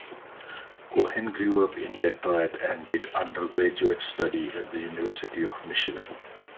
Cohen grew up in Detroit and did undergraduate study at the University of Michigan.